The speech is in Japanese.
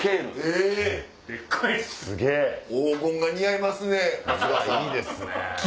いいですね。